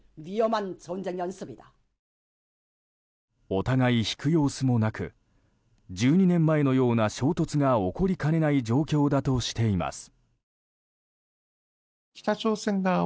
お互い引く様子もなく１２年前のような衝突が起こりかねない状況だとしています。